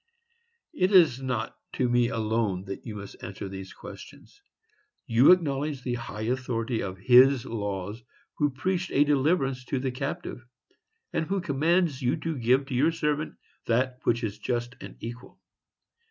It is not to me alone that you must answer these questions. You acknowledge the high authority of His laws who preached a deliverance to the captive, and who commands you to give to your servant "that which is just and equal."